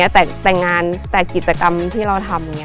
แต่แต่งงานแต่กิจกรรมที่เราทำ